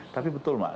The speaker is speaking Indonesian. tapi betul mak